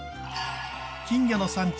金魚の産地